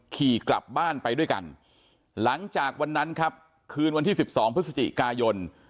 ขี่กลับบ้านไปด้วยกันหลังจากวันนั้นครับคืนวันที่๑๒พฤศจิกายน